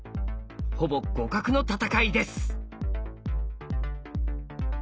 ほぼ互角の戦いです。